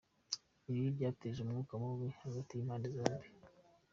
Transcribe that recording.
Ibi byateje umwuka mubi hagati y’impande zombi.